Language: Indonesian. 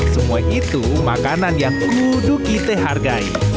semua itu makanan yang kudu kita hargai